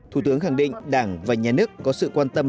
thủ tướng khẳng định đảng và nhà nước có sự quan tâm